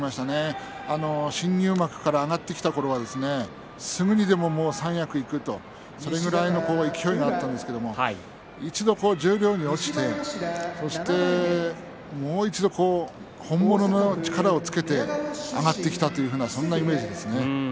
新入幕から上がってきたころはすぐにでも三役いくとそれくらいの勢いがあったんですけれど一度、十両に落ちてそしてもう一度本物の力をつけて上がってきたというようなそんなイメージですね。